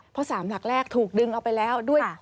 เพราะสามหลักแรกถูกดึงออกไปแล้ว